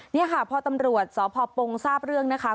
นี่ค่ะพอตำรวจสพปงทราบเรื่องนะคะ